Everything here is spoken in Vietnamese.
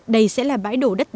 đây sẽ là bãi đổ đất thải